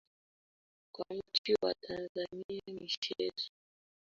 Kwa nchi ya Tanzania michezo inayopendwa sana ni mpira wa miguu